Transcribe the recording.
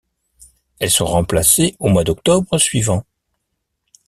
Elles sont remplacées au mois d'octobre suivant.